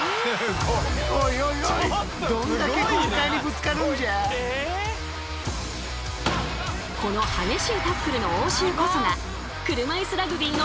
この激しいタックルの応酬こそが車いすラグビーのだいご味。